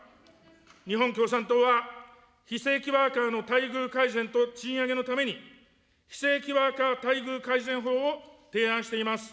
日本共産党は、非正規ワーカーの待遇改善と賃上げのために、非正規ワーカー待遇改善法を提案しています。